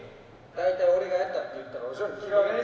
大体俺がやったって言ったらお嬢に嫌われる。